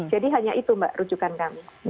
hanya itu mbak rujukan kami